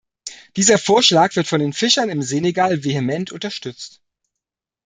Dieser Vorschlag wird von den Fischern im Senegal vehement unterstützt.